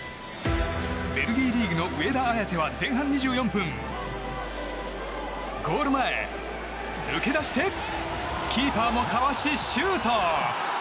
ベルギーリーグの上田綺世は前半２４分ゴール前、抜け出してキーパーもかわし、シュート！